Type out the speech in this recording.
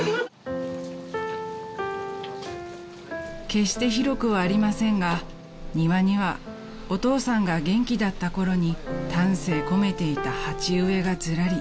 ［決して広くはありませんが庭にはお父さんが元気だったころに丹精込めていた鉢植えがずらり］